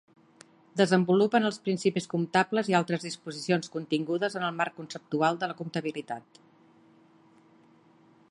Desenvolupen els principis comptables i altres disposicions contingudes en el Marc Conceptual de la Comptabilitat.